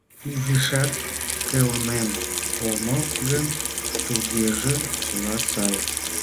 Изишат кылмен омыл гын, тугеже чыла сай.